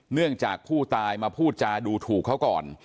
เนื่องจากผู้ตายมาพูดจาดูถูกเขาก่อน